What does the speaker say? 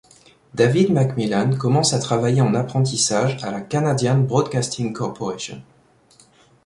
David MacMillan commence à travailler en apprentissage à la Canadian Broadcasting Corporation.